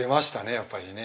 やっぱりね。